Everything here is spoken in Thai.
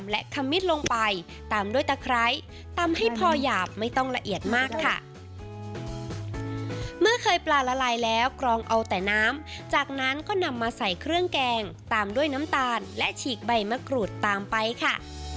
แล้วกรองเอาแต่น้ำจากนั้นก็นำมาใส่เครื่องแกงตามด้วยน้ำตาลและฉีกใบมะกรูดตามไปค่ะ